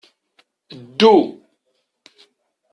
Ddu.